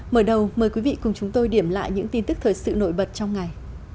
mở đầu mời quý vị cùng chúng tôi điểm lại những tin tức thời sự nổi bật trong ngày